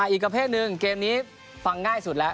อีกประเภทหนึ่งเกมนี้ฟังง่ายสุดแล้ว